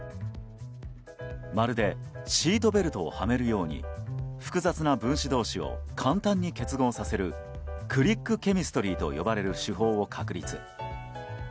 まるでシートベルトをはめるように複雑な分子同士を簡単に結合させるクリックケミストリーと呼ばれる手法を確立。